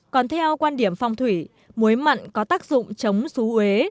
còn theo quan điểm phong thủy muối mặn có tác dụng chống xú ế